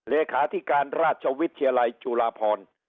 เลขาธิการราชวิทยาลัยจุฬาพร